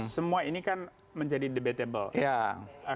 semua ini kan menjadi debatable